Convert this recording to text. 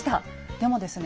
でもですね